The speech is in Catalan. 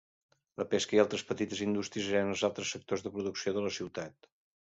La pesca i altres petites indústries eren els altres sectors de producció de la ciutat.